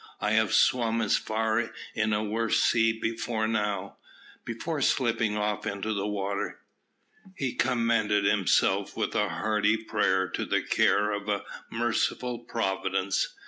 "I have swum as far in a worse sea before now." Before slipping off into the water, he commended himself with a hearty prayer to the care of a Merciful Providence.